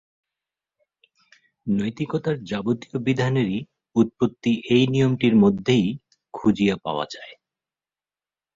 নৈতিকতার যাবতীয় বিধানেরই উৎপত্তি এই নিয়মটির মধ্যেই খুঁজিয়া পাওয়া যায়।